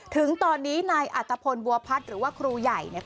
ถึงตอนนี้นายอัตภพลบัวพัฒน์หรือว่าครูใหญ่เนี่ย